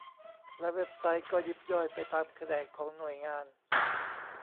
แล้วเว็บไซต์ก็ยิบย่อยไปตามแขนงของหน่วยงาน